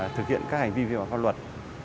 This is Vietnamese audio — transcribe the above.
thực hiện các hành vi vi pháp luật